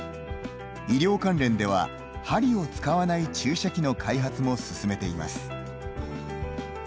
医療関連では針を使わない注射器の開発も進めています。